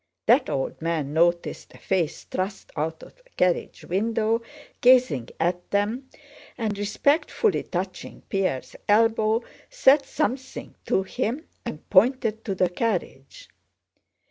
That old man noticed a face thrust out of the carriage window gazing at them, and respectfully touching Pierre's elbow said something to him and pointed to the carriage.